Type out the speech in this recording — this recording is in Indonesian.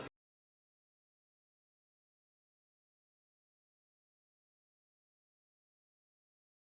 ini memang gimana waktu baru udah di studio air kaelan kali ya main